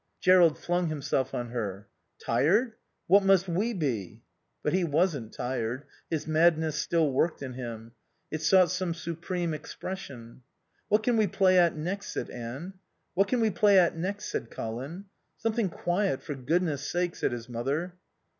Jerrold flung himself on her. "Tired? What must we be?" But he wasn't tired. His madness still worked in him. It sought some supreme expression. "What can we play at next?" said Anne. "What can we play at next?" said Colin. "Something quiet, for goodness sake," said his mother.